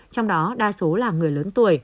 trong đó đa số là người lớn tuổi